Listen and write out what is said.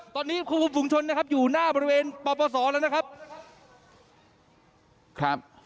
ตอนนี้คุณคุมภูมิชนอยู่หน้าบริเวณปสแล้วนะครับ